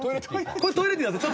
これトイレッティなんですよ。